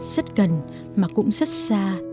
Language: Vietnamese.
rất gần mà cũng rất xa